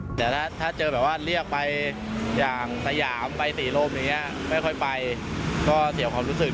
มันก็จะพาเราไปออมกลึ่ง